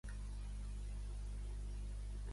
Va ser poètic silenciós en els anys vuitanta.